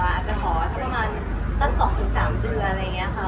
อาจจะขอสักประมาณตั้ง๒๓เดือนอะไรอย่างนี้ค่ะ